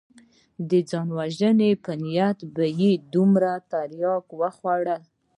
د ځان وژلو په نيت به يې دومره ترياک وخوړل.